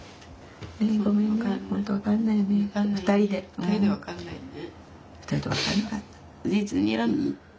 ２人で分かんないよね。